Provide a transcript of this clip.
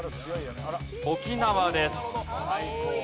沖縄です。